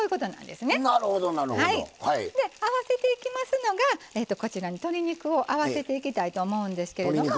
であわせていきますのがこちらに鶏肉をあわせていきたいと思うんですけれども。